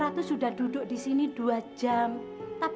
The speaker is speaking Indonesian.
suat kurang istilah aku southern dia selalu kisah buat stay ngantel